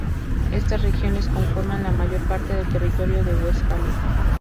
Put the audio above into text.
Estas regiones conforman la mayor parte del territorio de Westfalia.